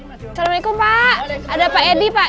assalamualaikum pak ada pak edi pak